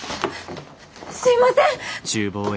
すいません！